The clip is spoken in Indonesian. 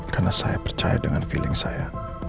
karena saya percaya dengan feeling saya